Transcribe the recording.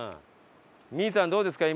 未唯さんどうですか？